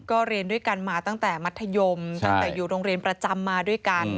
ก็เรียนด้วยกันมาตั้งแต่มัธยมตั้งแต่อยู่โรงเรียนประจำมาด้วยกัน